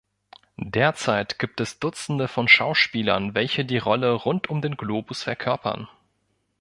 Derzeit gibt es Dutzende von Schauspielern, welche die Rolle rund um den Globus verkörpern.